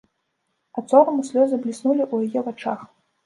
Ад сораму слёзы бліснулі ў яе вачах.